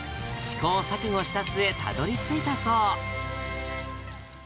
試行錯誤した末、たどりついたそう。